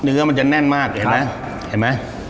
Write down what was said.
เนื้อมันจะแน่นมากเห็นไหม